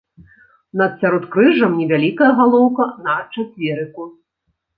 Над сяродкрыжжам невялікая галоўка на чацверыку.